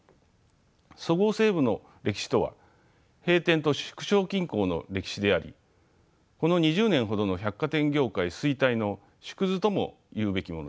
そごう・西武の歴史とは閉店と縮小均衡の歴史でありこの２０年ほどの百貨店業界衰退の縮図ともいうべきものでした。